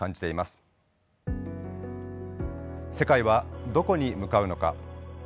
世界はどこに向かうのか。